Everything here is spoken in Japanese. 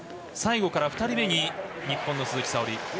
最後から２人目に日本の鈴木沙織。